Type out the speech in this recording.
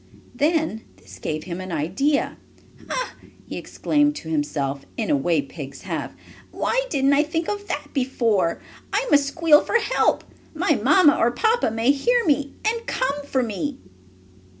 Then this gave him an idea. "Ha!" he exclaimed to himself, in a way pigs have, "why didn't I think of that before? I must squeal for help. My mamma, or papa, may hear me and come for me."